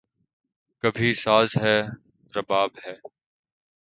کبھی ساز ہے، رباب ہے